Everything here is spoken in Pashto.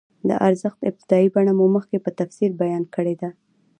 د ارزښت ابتدايي بڼه مو مخکې په تفصیل بیان کړې ده